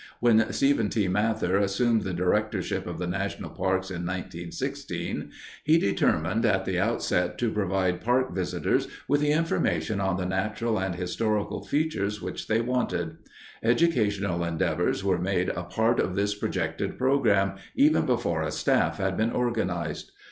When Stephen T. Mather assumed the directorship of the national parks in 1916, he determined at the outset to provide park visitors with the information on the natural and historic features which they wanted. Educational endeavors were made a part of his projected program even before a staff had been organized.